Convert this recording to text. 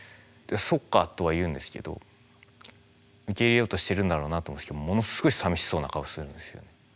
「そっか」とは言うんですけど受け入れようとしてるんだろうなと思うんですけどものすごいさみしそうな顔するんですよ。